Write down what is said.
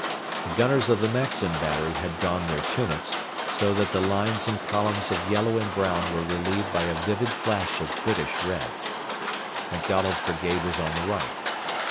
The gunners of the Maxim battery had donned their tunics, so that the lines and columns of yellow and brown were relieved by a vivid flash of British red. MacDonald's brigade was on the right.